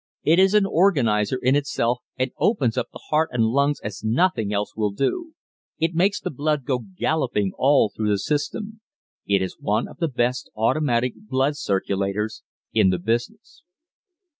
It is an organizer in itself and opens up the heart and lungs as nothing else will do. It makes the blood go galloping all through the system. It is one of the best automatic blood circulators in the business.